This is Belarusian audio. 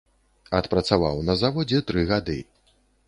Адпрацаваў на заводзе тры гады.